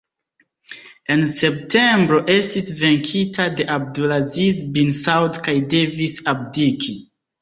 En septembro estis venkita de Abdul-Aziz bin Saud kaj devis abdiki.